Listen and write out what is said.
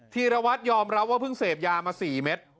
ธีรวัตรยอมรับว่าเพิ่งเสพยามา๔เม็ด